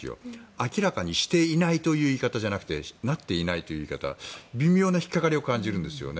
明らかにしていないという言い方じゃなくてなっていないという言い方微妙な引っかかりを感じるんですよね。